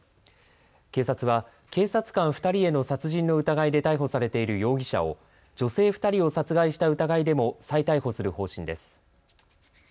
警察は警察官２人への殺人の疑いで逮捕されている容疑者を女性２人を殺害した疑いでも再逮捕する方針です。